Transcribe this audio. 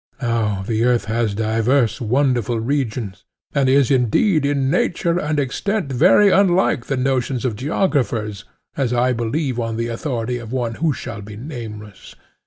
Now the earth has divers wonderful regions, and is indeed in nature and extent very unlike the notions of geographers, as I believe on the authority of one who shall be nameless.